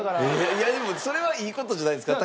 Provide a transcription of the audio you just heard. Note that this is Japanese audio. いやでもそれはいい事じゃないんですか？